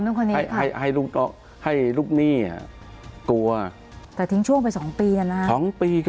ทีนี้ถึงช่วง๒ปี